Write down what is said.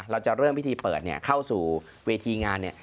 เราจะเริ่มพิธีเปิดเข้าสู่เวทีงาน